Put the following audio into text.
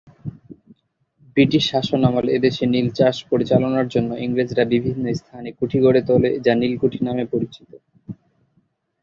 British শাসনামলে এদেশে নীল চাষ পরিচালনার জন্য ইংরেজরা বিভিন্ন স্থানে কুঠি গড়ে তোলে যা নীলকুঠি নামে পরিচিত।